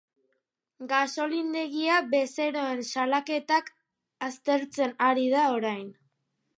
Gasolindegia bezeroen salaketak aztertzen ari da orain.